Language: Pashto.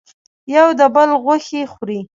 یو د بل غوښې خوري.